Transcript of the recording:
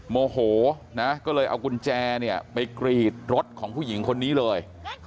โมโหนะก็เลยเอากุญแจเนี่ยไปกรีดรถของผู้หญิงคนนี้เลย